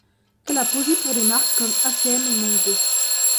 Elle a posé pour des marques comme H&M et Mango.